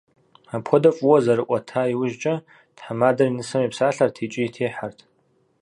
Апхуэдэу фӏыуэ зэрыӏуэта иужькӀэ, тхьэмадэр и нысэм епсалъэрт икӀи техьэрт.